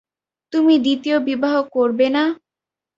তুমি দ্বিতীয় বিবাহ করবে না?